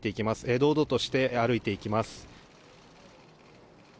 堂々として歩いていきます。